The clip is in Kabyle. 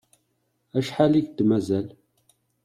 Acḥal i k-d-mazal?